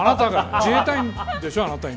自衛隊でしょ、あなた今。